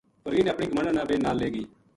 پروین نے اپنی گماہنڈن نا بے نال لے گئی